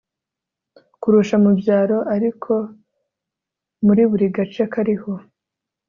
kurusha mu byaro Ariko muri buri gace kariho